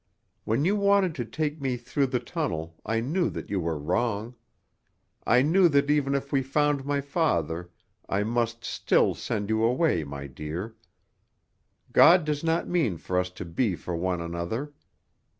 When you wanted to take me through the tunnel I knew that you were wrong. I knew that even if we found my father I must still send you away, my dear. God does not mean for us to be for one another.